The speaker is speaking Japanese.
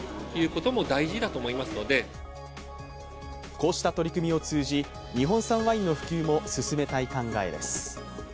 こうした取り組みを通じ日本産ワインの普及も進めたい考えです。